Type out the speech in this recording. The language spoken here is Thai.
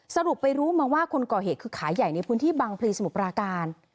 สรุปไปรู้มาว่าคนก่อเหตุคือขายใหญ่ในพื้นที่บางพลีสมุทรปราการ